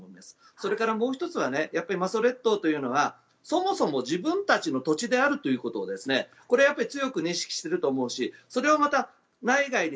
それからもう１つは馬祖列島というのはそもそも自分たちの土地であるということをこれはやっぱり強く認識していると思うしそれをまた内外に